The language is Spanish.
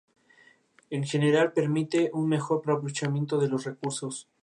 En general permite un mejor aprovechamiento de los recursos.